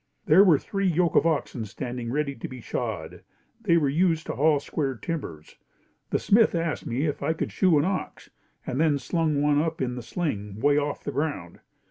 There were three yoke of oxen standing ready to be shod. They were used to haul square timbers. The smith asked me if I could shoe an ox and then slung one up in the sling 'way off the ground.